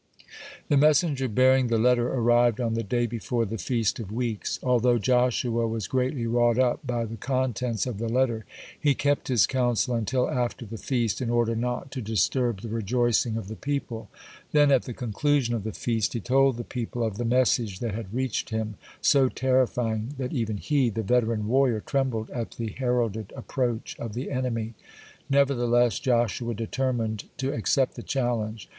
The messenger bearing the letter arrived on the day before the Feast of Weeks. Although Joshua was greatly wrought up by the contents of the letter, he kept his counsel until after the feast, in order not to disturb the rejoicing of the people. Then, at the conclusion of the feast, he told the people of the message that had reached him, so terrifying that even he, the veteran warrior, trembled at the heralded approach of the enemy. Nevertheless Joshua determined to accept the challenge.